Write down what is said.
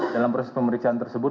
dalam proses pemeriksaan tersebut